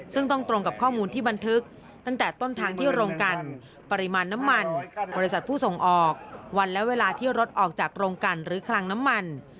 ซึ่งต้องตรงกับข้อมูลที่บันทึกตั้งแต่ต้นทางที่โรงกันปริมาณน้ำมันบริษัทผู้ส่งออกวันและเวลาที่รถออกจากโรงกันหรือคลังน้ำมัน